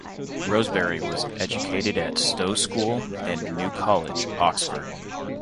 Rosebery was educated at Stowe School and New College, Oxford.